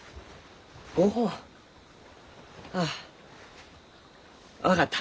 ご本？あ分かった。